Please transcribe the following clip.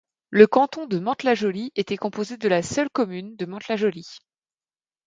Le canton de Mantes-la-Jolie était composé de la seule commune de Mantes-la-Jolie.